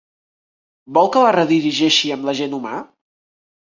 Vol que la redirigeixi amb l'agent humà?